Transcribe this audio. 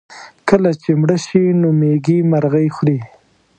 کله چې مړه شي نو مېږي مرغۍ خوري.